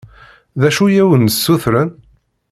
D acu i awen-d-ssutren?